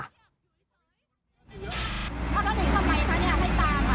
รถอยู่แล้วเสียหายหรือเปล่า